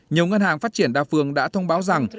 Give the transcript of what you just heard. nhiều ngân hàng phát triển đa phương đã thông báo rằng